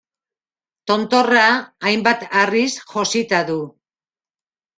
Tontorra, hainbat harriz josita du.